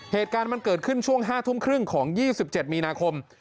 เหตุการณ์มันเกิดขึ้นช่วง๕ทุ่มครึ่งของ๒๗มีนาคม